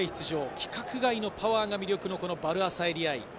規格外のパワーが魅力のヴァル・アサエリ愛。